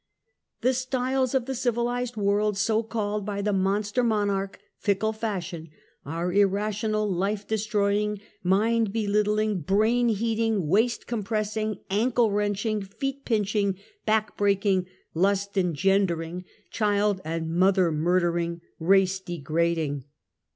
The styles of the civilized world, so called by the monster monarch, fickle fashion, are irrational life destroying, mind belittling, brain heating, waist com pressing, ankle wrenching, feet pinching, back break ing, lust engendering, child and mother murdering, race degrading.